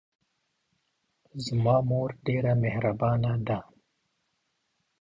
زما مور ډېره محربانه ده